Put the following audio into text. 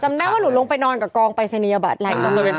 จำได้ว่าหนูลงไปนอนกับกองไปเสนียบัตรแรก